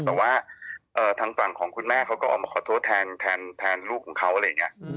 แต่ว่าทางฝั่งของคุณแม่เขาก็ออกมาขอโทษแทนลูกของเขาอะไรอย่างนี้